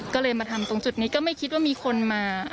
ก็เลยมาทำตรงจุดนี้ก็ไม่คิดว่ามีคนมา